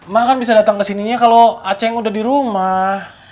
mak kan bisa dateng kesininya kalo aceh yang udah di rumah